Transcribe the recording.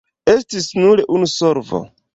Estis nur unu solvo.